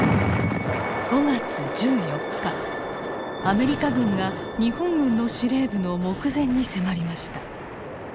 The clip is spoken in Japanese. アメリカ軍が日本軍の司令部の目前に迫りました。